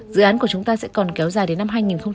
dự án của chúng ta sẽ còn kéo dài đến năm hai nghìn hai mươi